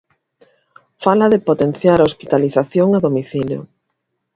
Fala de potenciar a hospitalización a domicilio.